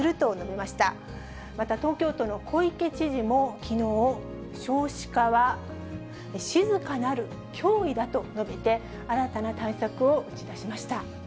また、東京都の小池知事もきのう、少子化は静かなる脅威だと述べて、新たな対策を打ち出しました。